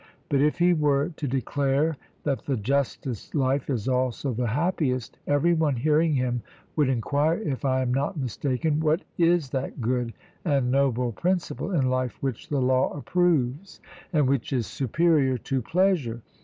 But if he were to declare that the justest life is also the happiest, every one hearing him would enquire, if I am not mistaken, what is that good and noble principle in life which the law approves, and which is superior to pleasure.